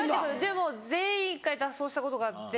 でも全員一回脱走したことがあって。